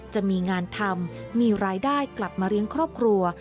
จะมีงานทำมีรายได้กลับมาเลี้ยงครอบครัว